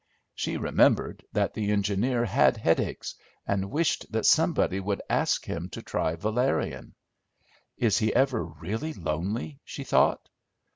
She remembered that the engineer had headaches, and wished that somebody would ask him to try valerian. Is he ever really lonely? she thought.